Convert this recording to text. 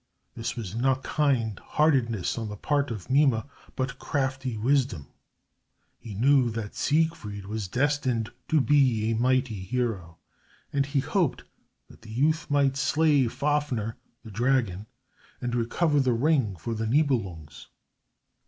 This was not kind heartedness on the part of Mime, but crafty wisdom. He knew that Siegfried was destined to be a mighty hero, and he hoped that the youth might slay Fafner, the dragon, and recover the ring for the Nibelungs.